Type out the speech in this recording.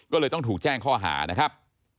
ก็เลยต้องถูกแจ้งข้อหานะครับ